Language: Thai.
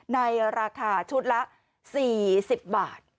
ในราคาชุดละ๔๐บาท